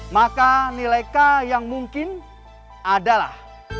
maka nilai k yang mungkin adalah